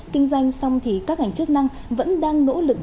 kinh doanh xong thì các ngành chức năng vẫn đang nỗ lực